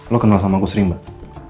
lo kenal sama lagu serimbang